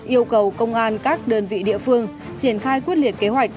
yêu cầu công an các đơn vị địa phương triển khai quyết liệt kế hoạch